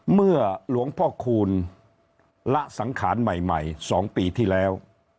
เมื่อหลวงพ่อคูณละสังขารใหม่๒ปีที่แล้ว